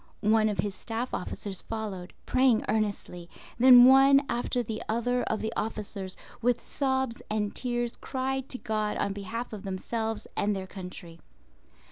One of his staff officers followed, praying earnestly, then one after the other of the officers, with sobs and tears cried to God on behalf of themselves and their country.